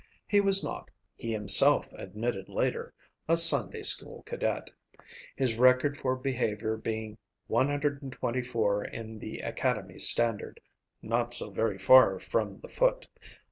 He was not, he himself admitted later, "a Sunday school cadet," his record for behavior being 124 in the Academy standard not so very far from the foot.